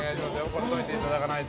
これ解いていただかないと。